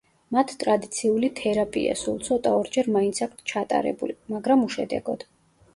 მათ ტრადიციული თერაპია, სულ ცოტა, ორჯერ მაინც აქვთ ჩატარებული, მაგრამ – უშედეგოდ.